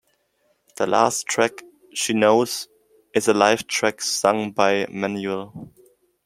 The last track, "She Knows," is a live track sung by Manuel.